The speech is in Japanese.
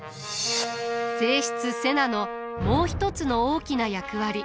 正室瀬名のもう一つの大きな役割。